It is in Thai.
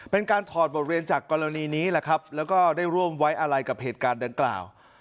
เป็นการถอดบทเรียนจากกรณีนี้แหละครับแล้วก็ได้ร่วมไว้อะไรกับเหตุการณ์ดังกล่าว